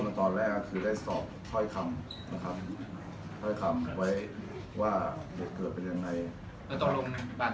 กดเริ่มตอนแรกคือได้สอบท้อยคำนะครับ